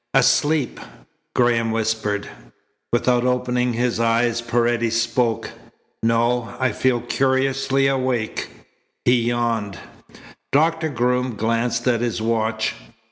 "Asleep," Graham whispered. Without opening his eyes Paredes spoke: "No; I feel curiously awake." He yawned. Doctor Groom glanced at his watch.